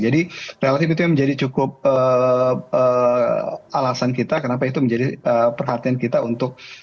jadi relatif itu yang menjadi cukup alasan kita kenapa itu menjadi perhatian kita untuk